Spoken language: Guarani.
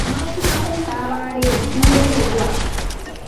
Tavarandu rehegua.